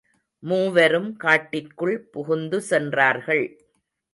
மூவரும் காட்டிற்குள் புகுந்து சென்றார்கள்.